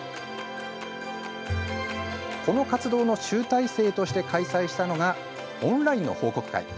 この活動の集大成として開催したのがオンラインの報告会。